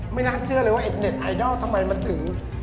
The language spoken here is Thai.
ไม่น่าเชื่อเลยว่าเน็ตไอดอลทำไมมันถึง